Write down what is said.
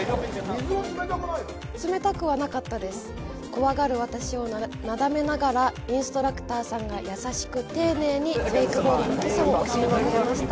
怖がる私をなだめながら、インストラクターさんが優しく丁寧にウェイクボードの基礎を教えてくれました。